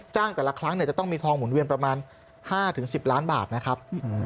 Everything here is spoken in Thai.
แต่ละครั้งจะต้องมีทองหมุนเวียนประมาณ๕๑๐ล้านบาทนะครับ